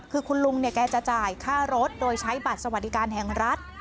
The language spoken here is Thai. คือคุณลุงเนี่ยแกจะจ่ายค่ารถโดยใช้บัตรสวัสดิการแห่งรัฐ